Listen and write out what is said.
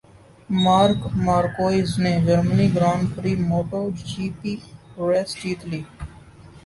mark Marquez نے Germany grand prix motto جی پی race جیت لی